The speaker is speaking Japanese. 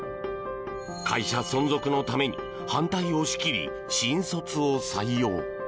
会社存続のために反対を押し切り、新卒を採用。